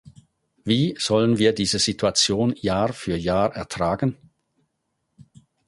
Wie sollen wir diese Situation Jahr für Jahr ertragen?